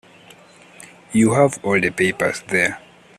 You have all the papers there.